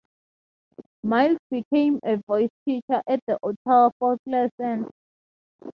Miles became a voice teacher at the Ottawa Folklore Centre.